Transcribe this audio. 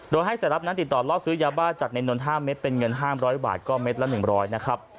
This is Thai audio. โดยให้สายรับนั้นติดต่อล่อซื้อยาบ้าจากในนนท๕เม็ดเป็นเงิน๕๐๐บาทก็เม็ดละ๑๐๐นะครับ